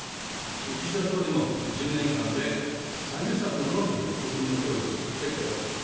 岸田総理も１０年間で３０冊のノートに国民の声をつづってこられました。